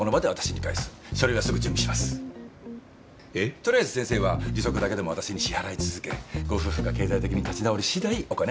とりあえず先生は利息だけでも私に支払い続けご夫婦が経済的に立ち直りしだいお金を返してもらうと。